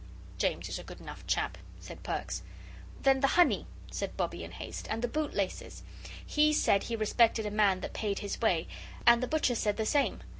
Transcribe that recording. "James is a good enough chap," said Perks. "Then the honey," said Bobbie, in haste, "and the boot laces. HE said he respected a man that paid his way and the butcher said the same.